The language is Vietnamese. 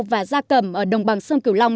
và gia cầm ở đồng bằng sơn kiều long